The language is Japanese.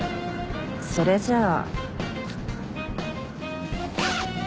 それじゃあ。